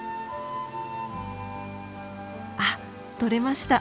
あっ取れました。